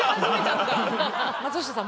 松下さん